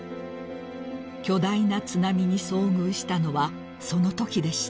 ［巨大な津波に遭遇したのはそのときでした］